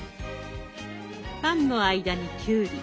パンの間にきゅうり。